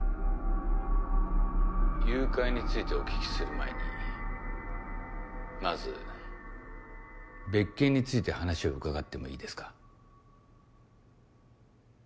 誘拐についてお聞きする前にまず別件について話を伺ってもいいですか。